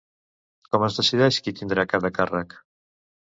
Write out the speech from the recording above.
Com es decideix qui tindrà cada càrrec?